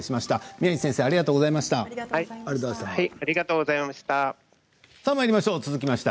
宮地先生ありがとうございました。